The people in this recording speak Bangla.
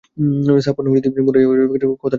Safwan ibn Umayya Umair ibn ওহাবের কথাটি লুফে নিল।